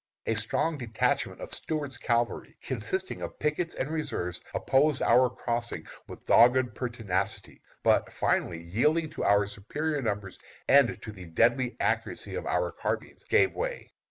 A strong detachment of Stuart's cavalry, consisting of pickets and reserves, opposed our crossing with dogged pertinacity, but finally, yielding to our superior numbers and to the deadly accuracy of our carbines, gave way.